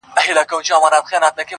د ابوجهل د غرور په اجاره ختلی-